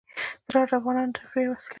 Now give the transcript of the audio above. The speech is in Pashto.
زراعت د افغانانو د تفریح یوه وسیله ده.